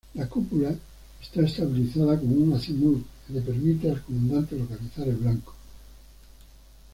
La cúpula está estabilizada con un azimut le permite al comandante localizar el blanco.